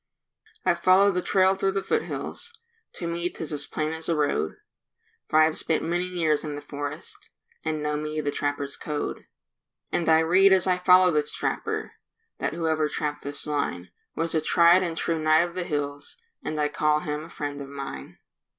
I follow the trail through the foothills, To me 'tis as plain as a road, For I've spent many years in the forest And know me the trappers' code. And I read as I follow this trapper, That whoever trapped this line Was a tried and true knight of the hills, And I call him a friend of mine.